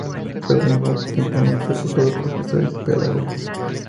Fue al mismo tiempo un reputado profesor y pedagogo.